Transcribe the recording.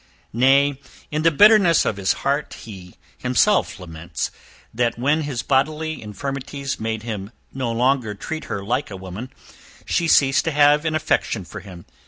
Nay, in the bitterness of his heart, he himself laments, that when his bodily infirmities made him no longer treat her like a woman, she ceased to have an affection for him.